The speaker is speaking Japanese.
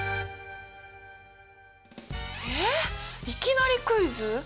えいきなりクイズ？